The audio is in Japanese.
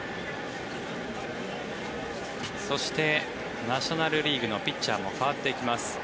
そして、ナショナル・リーグのピッチャーも代わっていきます。